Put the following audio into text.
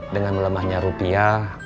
dengan melemahnya rupiah